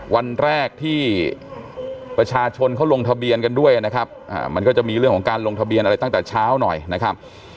วันแรกที่ประชาชนเขาลงทะเบียนกันด้วยนะครับมันก็จะมีเรื่องของการลงทะเบียนอะไรตั้งแต่เช้าหน่อยนะครับ